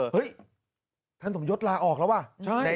เฮ้ยท่านสมยศลาออกแล้วว่ะ